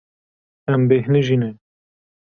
Em bêhnijî ne.